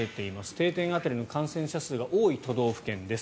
定点当たりの感染者数が多い都道府県です。